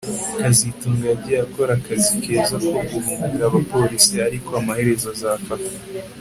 kazitunga yagiye akora akazi keza ko guhunga abapolisi ariko amaherezo azafatwa